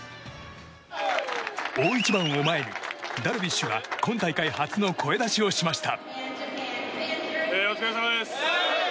大一番を前にダルビッシュが今大会初の声出しをしました。